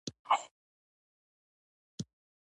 دوی پر لویې قوې ډېر غټ بری تر لاسه کړی.